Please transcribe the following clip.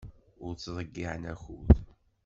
Ur ttḍeyyiɛen akud.